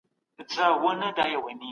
که ټایپنګ نه وي زده نو کار ګران دی.